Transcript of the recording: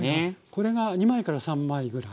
これが２枚から３枚ぐらい。